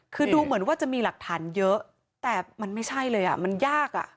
คือดูเหมือนว่าจะมีหลักฐานเยอะแต่มันไม่ใช่เลยอ่ะมันยากอ่ะ